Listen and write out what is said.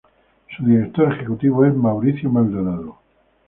Su director ejecutivo es Mauricio Maldonado.